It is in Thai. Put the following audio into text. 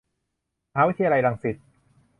มหาวิทยาลัยรังสิต